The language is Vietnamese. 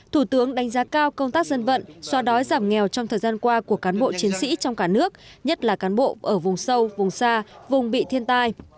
thủ tướng đánh giá cao công tác dân vận xóa đói giảm nghèo trong thời gian qua của cán bộ chiến sĩ trong cả nước nhất là cán bộ ở vùng sâu vùng xa vùng bị thiên tai